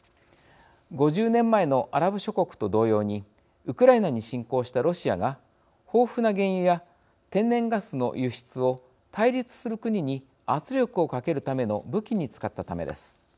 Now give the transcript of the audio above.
５０年前のアラブ諸国と同様にウクライナに侵攻したロシアが豊富な原油や天然ガスの輸出を対立する国に圧力をかけるための武器に使ったためです。